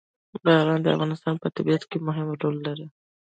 باران د افغانستان په طبیعت کې مهم رول لري.